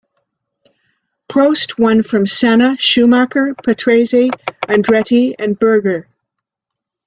Prost won from Senna, Schumacher, Patrese, Andretti and Berger.